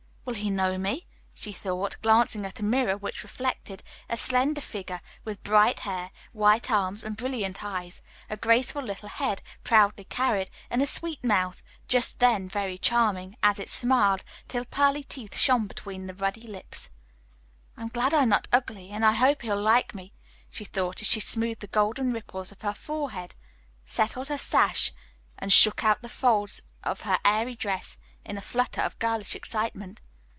Will he know me? she thought, glancing at a mirror which reflected a slender figure with bright hair, white arms, and brilliant eyes; a graceful little head, proudly carried, and a sweet mouth, just then very charming, as it smiled till pearly teeth shone between the ruddy lips. I'm glad I'm not ugly, and I hope he'll like me, she thought, as she smoothed the golden ripples on her forehead, settled her sash, and shook out the folds of her airy dress in a flutter of girlish excitement.